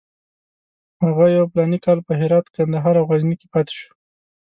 هغه یو فلاني کال په هرات، کندهار او غزني کې پاتې شو.